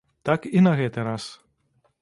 Так і на гэты раз.